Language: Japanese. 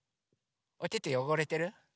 おててよごれてる？